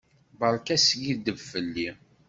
Beṛka askiddeb fell-i.